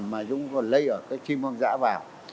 mà dung còn lây ở các chim hoang dã vào